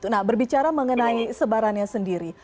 nah berbicara mengenai sebarannya sendiri